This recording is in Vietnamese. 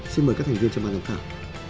xin mời các thành viên vào giám khảo